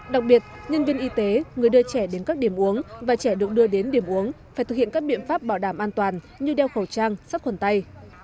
đặc biệt nhân viên y tế người đưa trẻ đến các điểm uống và trẻ được đưa đến điểm uống phải thực hiện các biện pháp bảo đảm an toàn như đeo khẩu trang sắt khuẩn tay